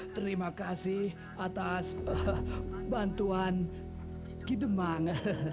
terima kasih atas bantuan kidumang